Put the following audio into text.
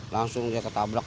langsung dia ketabrak